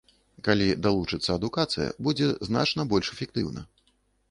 Калі далучыцца адукацыя, будзе значна больш эфектыўна.